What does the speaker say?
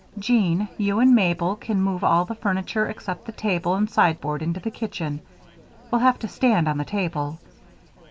Jean, you and Mabel can move all the furniture except the table and sideboard into the kitchen we'll have to stand on the table.